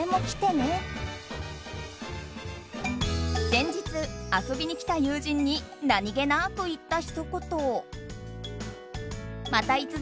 先日、遊びに来た友人に何気なく言ったひと言。